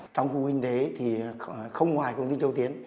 trong khu kinh tế thì không ngoài công ty châu tiến